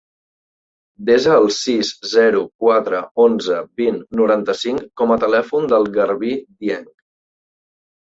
Desa el sis, zero, quatre, onze, vint, noranta-cinc com a telèfon del Garbí Dieng.